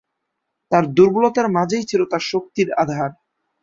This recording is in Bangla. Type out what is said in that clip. তার দুর্বলতার মাঝেই ছিল তার শক্তির আধার।